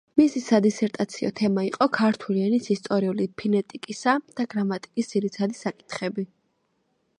მისი სადისერტაციო თემა იყო „ქართული ენის ისტორიული ფონეტიკისა და გრამატიკის ძირითადი საკითხები“.